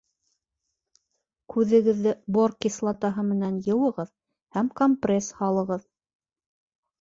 Күҙегеҙҙе бор кислотаһы менән йыуығыҙ һәм компресс һалығыҙ